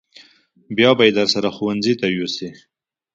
بیا به یې درسره ښوونځي ته یوسې.